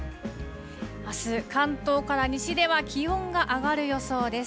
あす、関東から西では気温が上がる予想です。